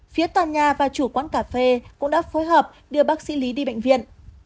phía tòa nhà và chủ quán cà phê cũng đã phối hợp đưa bác sĩ lý đi bệnh viện